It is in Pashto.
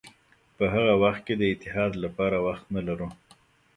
په هغه وخت کې د اتحاد لپاره وخت نه لرو.